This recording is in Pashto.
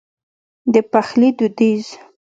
د پخلي دوديز